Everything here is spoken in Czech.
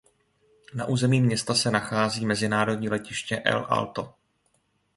Na území města se nachází mezinárodní letiště El Alto.